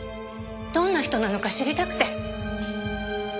どんな人なのか知りたくて。